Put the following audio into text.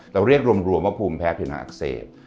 เราเรียกรวมว่าภูมิแพ้เนาอักเสบ